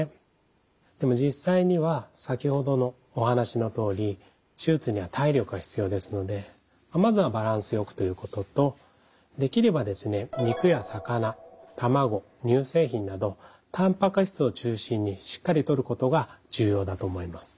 でも実際には先ほどのお話のとおり手術には体力が必要ですのでまずはバランスよくということとできれば肉や魚たまご乳製品などタンパク質を中心にしっかりとることが重要だと思います。